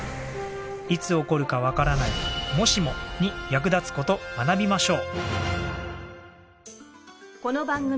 いつ起こるかわからない「もしも」に役立つ事学びましょう。